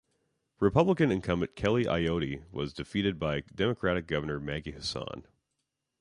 Republican incumbent Kelly Ayotte was defeated by Democratic Governor Maggie Hassan.